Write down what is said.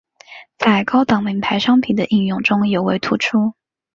在高档名牌商品的应用中尤为突出。